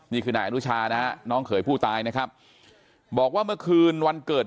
นี่คือนายอนุชานะน้องเขยผู้ตายนะครับบอกว่าเมื่อคืนวันเกิด